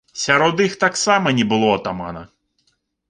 Сярод іх таксама не было атамана.